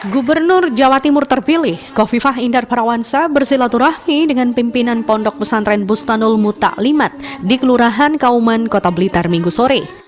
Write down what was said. gubernur jawa timur terpilih kofifah indar parawangsa bersilaturahmi dengan pimpinan ponpes bustanul muta alimat di kelurahan kauman kota blitar minggu sore